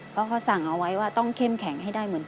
เพราะเขาสั่งเอาไว้ว่าต้องเข้มแข็งให้ได้เหมือนกัน